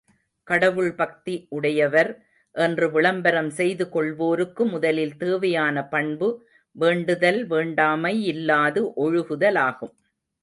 கடவுள் பக்தி உடையவர் என்று விளம்பரம் செய்து கொள்வோருக்கு முதலில் தேவையான பண்பு, வேண்டுதல் வேண்டாமை யில்லாது ஒழுகுதலாகும்.